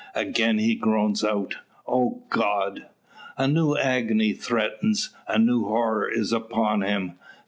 Again he groans out, "O God!" A new agony threatens, a new horror is upon him.